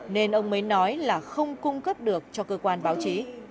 nên ông mới nói là không cung cấp được cho cơ quan báo chí